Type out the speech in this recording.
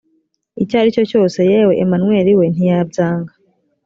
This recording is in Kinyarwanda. icyo aricyo cyose yewe emanweli we ntiyabyanga